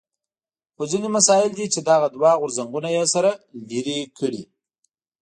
خو ځینې مسایل دي چې دغه دوه غورځنګونه یې سره لرې کړي.